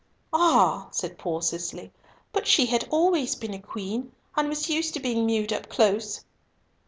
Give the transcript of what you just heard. "Ah!" said poor Cicely, "but she had always been a queen, and was used to being mewed up close!"